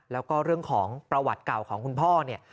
แล้วก็เรื่องของประวัติเก่าของคุณพ่อเนี่ย